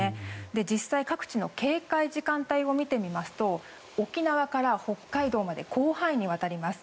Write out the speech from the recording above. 実際、各地の警戒時間帯を見てみますと沖縄から北海道まで広範囲にわたります。